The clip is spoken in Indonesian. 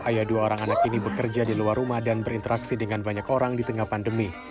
ayah dua orang anak ini bekerja di luar rumah dan berinteraksi dengan banyak orang di tengah pandemi